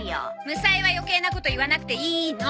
むさえは余計なこと言わなくていいの！